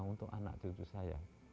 untuk anak cucu saya